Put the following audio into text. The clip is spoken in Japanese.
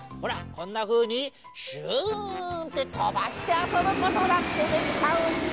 こんなふうにヒューンってとばしてあそぶことだってできちゃうんだ。